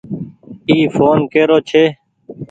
اي ڦون ڪيرو ڇي۔